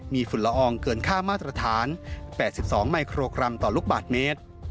มีฝุ่นละอองเกินค่ามาตรฐาน๘๒มิโครกรัมต่อลูกบาทเมตร